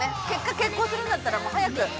結果、結婚するんだったら、早く。